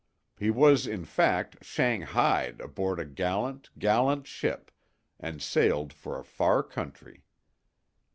He was in fact "shanghaied" aboard a gallant, gallant ship, and sailed for a far countree.